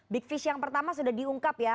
big fish yang pertama sudah diungkap ya